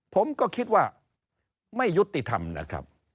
ผมก็คิดว่าไม่ยุติธรรมนะครับ